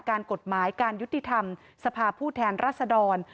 การกฎหมายการยุติธรรมสภาพผู้แทนรัศดร